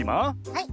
はい。